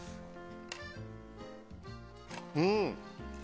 うん！